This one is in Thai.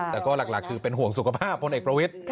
แต่ก็หลักคือเป็นห่วงสุขภาพพลเอกประวิทธิ